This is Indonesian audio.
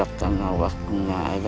allahumma bagikan nabi ma